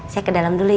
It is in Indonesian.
saya ke dalam dulu ya